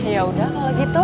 ya udah kalau gitu